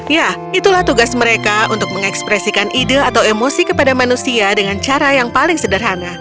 ya itulah tugas mereka untuk mengekspresikan ide atau emosi kepada manusia dengan cara yang paling sederhana